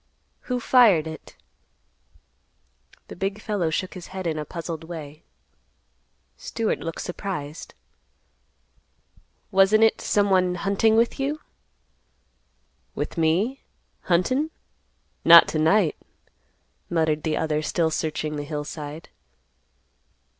"Who fired it?" The big fellow shook his head in a puzzled way. Stewart looked surprised. "Wasn't it someone hunting with you?" "With me? Huntin'? Not to night;" muttered the other still searching the hill side.